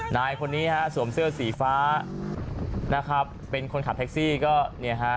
นายคนนี้ฮะสวมเสื้อสีฟ้านะครับเป็นคนขับแท็กซี่ก็เนี่ยฮะ